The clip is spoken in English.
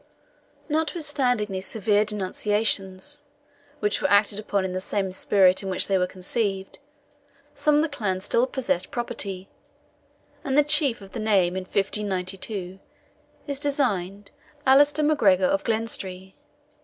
Notwithstanding these severe denunciations, which were acted upon in the same spirit in which they were conceived, some of the clan still possessed property, and the chief of the name in 1592 is designed Allaster MacGregor of Glenstrae.